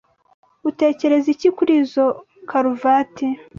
Utekereza iki kuri izoi karuvati?